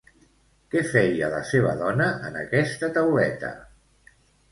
Què feia la seva dona en aquesta tauleta?